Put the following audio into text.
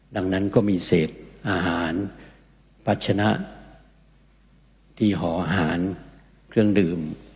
ดังนั้นก็มีเศษอาหารพัชนะที่หออาหารเครื่องดื่ม